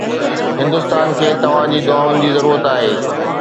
هندستان کي توهان جي دعائن جي ضرورت آهي